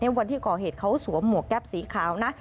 วันที่ก่อเหตุเขาสวมหมวกแก๊ปสีขาวนะ